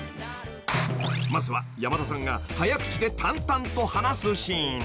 ［まずは山田さんが早口で淡々と話すシーン］